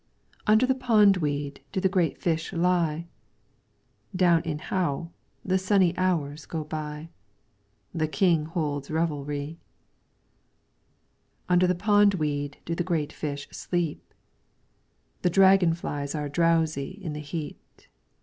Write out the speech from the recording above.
Under the pondweed do the great fish lie ; Down in Hao the sunny hours go by. The King holds revelry. Under the pondweed do the great fish sleep ; The dragon flies are drowsy in the heat.